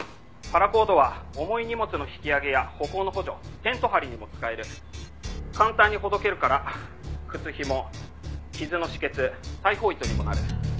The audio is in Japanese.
「パラコードは重い荷物の引き上げや歩行の補助テント張りにも使える」「簡単にほどけるから靴ひも傷の止血裁縫糸にもなる」